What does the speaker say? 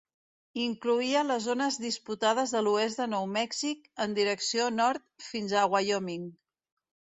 Incloïa les zones disputades de l'oest de Nou Mèxic en direcció nord fins a Wyoming.